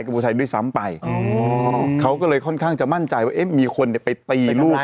กูชัยด้วยซ้ำไปอ๋อเขาก็เลยค่อนข้างจะมั่นใจว่าเอ๊ะมีคนเนี่ยไปตีลูก